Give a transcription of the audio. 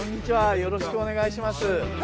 よろしくお願いします。